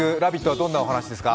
どんなお話ですか？